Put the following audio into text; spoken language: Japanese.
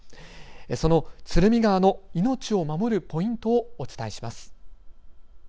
その鶴見川の命を守るポイントをお伝えします。